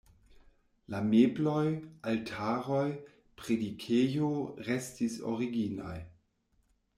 La mebloj, altaroj, predikejo restis originaj.